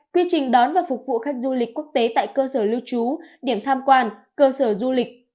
quy trình đón và phục vụ khách du lịch quốc tế tại cơ sở lưu trú điểm tham quan cơ sở du lịch